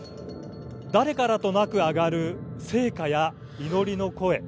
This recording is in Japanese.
誰からとなく上がる聖歌や祈りの声。